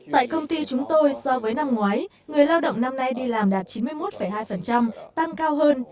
tại công ty chúng tôi so với năm ngoái người lao động năm nay đi làm đạt chín mươi một hai tăng cao hơn